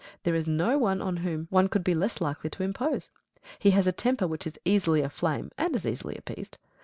There is no one on whom one could be less likely to impose. He has a temper which is easily aflame and as easily appeased.